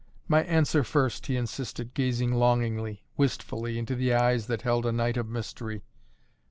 "My answer first," he insisted, gazing longingly, wistfully into the eyes that held a night of mystery.